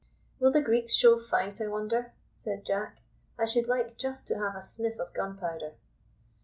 "Will the Greeks show fight, I wonder?" said Jack. "I should like just to have a sniff of gunpowder."